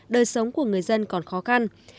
đời sống của người dân còn khó khăn